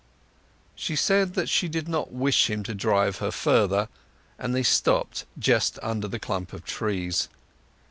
She said that she did not wish him to drive her further, and they stopped just under the clump of trees.